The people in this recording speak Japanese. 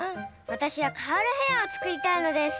わたしはカールヘアをつくりたいのです。